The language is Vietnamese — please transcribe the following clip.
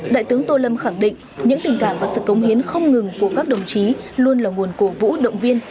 đại tướng tô lâm khẳng định những tình cảm và sự cống hiến không ngừng của các đồng chí luôn là nguồn cổ vũ động viên